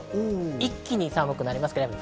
一気に寒くなります。